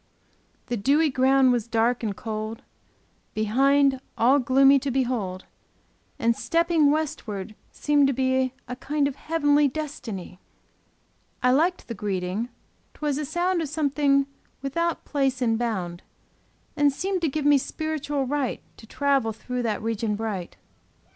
The dewy ground was dark and cold; Behind, all gloomy to behold: And stepping westward seemed to be A kind of heavenly destiny: I liked the greeting; 'twas a sound Of something without place and bound, And seemed to give me spiritual right To travel through that region bright.